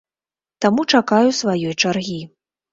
Таму чакаю сваёй чаргі.